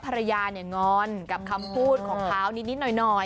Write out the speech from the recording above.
ภรรยาเนี่ยงอนกับคำพูดของเขานิดหน่อย